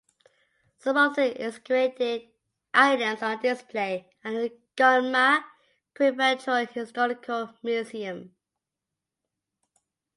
Some of the excavated items are on display at the Gunma Prefectural Historical Museum.